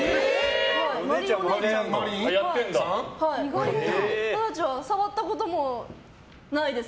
私たちは触ったこともないです。